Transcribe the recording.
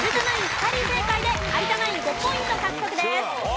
２人正解で有田ナイン５ポイント獲得です。